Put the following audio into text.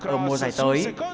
ở mùa giải tới